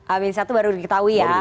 amin satu baru diketahui ya